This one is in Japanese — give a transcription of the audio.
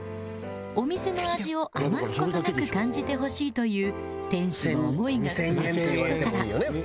お店の味を余す事なく感じてほしいという店主の思いが詰まったひと皿